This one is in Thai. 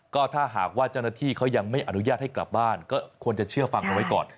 ก็ถ้าหากว่าเจ้าหน้าที่เขายังไม่อนุญาตให้กลับบ้านก็ควรจะเชื่อฟังเอาไว้ก่อน